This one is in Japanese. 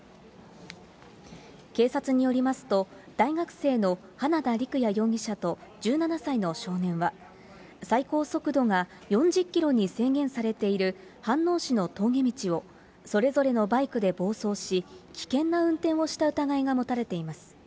警察によりますと、大学生の花田陸也容疑者と１７歳の少年は、最高速度が４０キロに制限されている飯能市の峠道を、それぞれのバイクで暴走し、危険な運転をした疑いが持たれています。